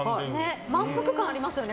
満腹感がありますね